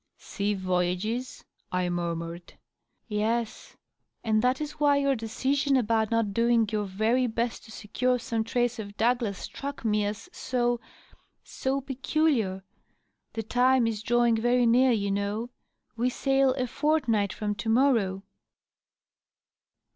"Sea voyages?" I murmured. " Yes. •. And that is why your decision about not doing your very best to secure some trace of Douglas struck me as so .. so peculiar. The time is drawing very near, you know. We sail a fortnight from to morrow."